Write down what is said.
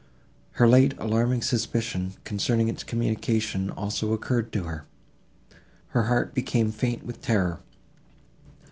Her late alarming suspicion, concerning its communication, also occurred to her. Her heart became faint with terror.